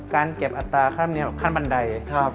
การเก็บอัตราขั้นบันได